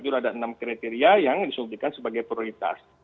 jadi ada enam kriteria yang disuntikan sebagai prioritas